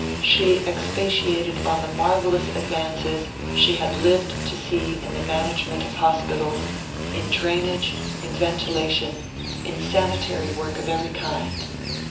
She expatiated on the marvellous advances she had lived to see in the management of hospitals in drainage, in ventilation, in sanitary work of every kind.